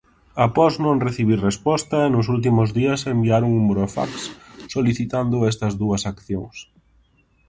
Após non recibir resposta, nos últimos días enviaron un burofax solicitando estas dúas accións.